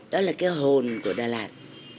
đó là cái hồn của đà lạt